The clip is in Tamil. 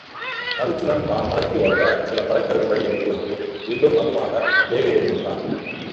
அருச்சுனன் தான் மறைத்து வைத்த சில படைக்கருவிகளை எடுத்து வந்து வில்லும் அம்புமாகத் தேர் ஏறி நின்றான்.